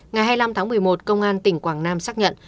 ngày hai mươi năm tháng một mươi một công an tỉnh quảng nam xác nhận